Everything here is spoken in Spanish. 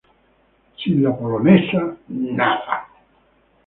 Sin la polonesa..., ¡nada!